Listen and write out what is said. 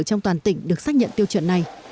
trong toàn tỉnh được xác nhận tiêu chuẩn này